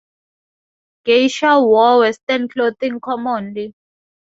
Geisha wore Western clothing commonly.